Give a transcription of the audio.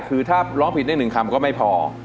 คือถ้าร้องผิดได้๑คำก็ไม่พอ